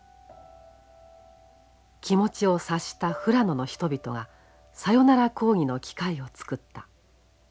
気持ちを察した富良野の人々がさよなら講義の機会を作った。